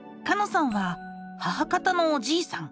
さんは母方のおじいさん